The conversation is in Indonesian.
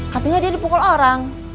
katanya dia dipukul orang